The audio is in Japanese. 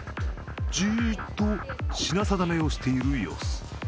じーっと品定めをしている様子。